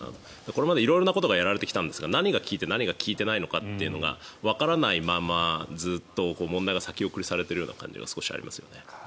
これまで色々なことがやられてきたんですが何が効いて、何が効いていないのかっていうのがわからないまま、ずっと問題が先送りされているような感じが少しありますよね。